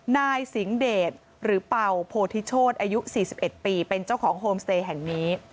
นายสิงเดชหรือเป่าโพธิโชธอายุ๔๑ปีเป็นเจ้าของโฮมสเตย์แห่งนี้